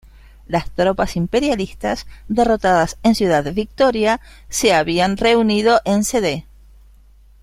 Las tropas imperialistas derrotadas en Ciudad Victoria se habían reunido en Cd.